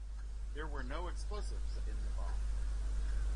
There were no explosives in the bomb.